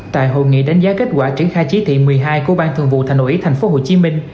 tại hội nghị đánh giá kết quả triển khai chỉ thị một mươi hai của ban thường vụ thành ủy tp hcm